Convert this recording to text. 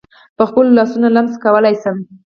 په خپلو لاسونو لمس کولای شم.